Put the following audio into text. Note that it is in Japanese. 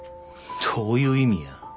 どういう意味や。